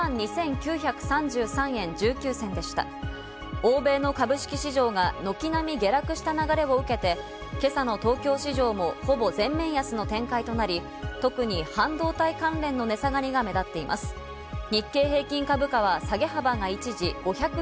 欧米の株式市場が軒並み下落した流れを受けて、今朝の東京市場もほぼ全面安の展開となり、特に半導体関連の値下がりが目立ってい明治運動したらザバス。